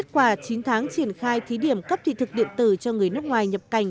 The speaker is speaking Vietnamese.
quốc gia phát triển của quốc gia